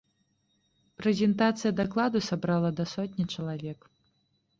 Прэзентацыя дакладу сабрала да сотні чалавек.